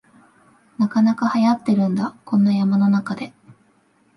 なかなかはやってるんだ、こんな山の中で